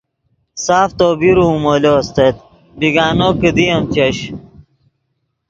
ساف تو بیروؤ مو استت بیگانو کیدی ام چش